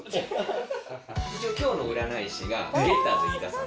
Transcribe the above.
一応今日の占い師がゲッターズ飯田さん。